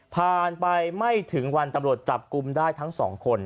ผ่านไปไม่ถึงวันตำรวจจับกลุ่มได้ทั้งสองคน